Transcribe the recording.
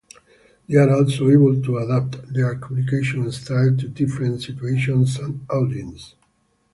They are also able to adapt their communication style to different situations and audiences.